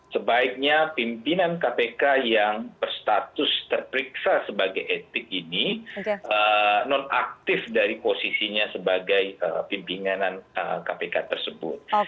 sebaiknya pimpinan kpk yang berstatus terperiksa sebagai etik ini non aktif dari posisinya sebagai pimpinan kpk tersebut